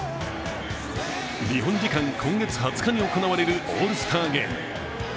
日本時間今月２０日に行われるオールスターゲーム。